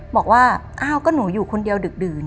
บอกว่าอ้าวก็หนูอยู่คนเดียวดึกดื่น